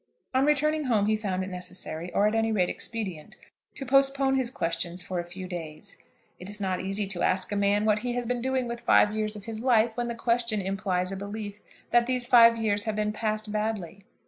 On returning home he found it necessary, or at any rate expedient, to postpone his questions for a few days. It is not easy to ask a man what he has been doing with five years of his life, when the question implies a belief that these five years have been passed badly.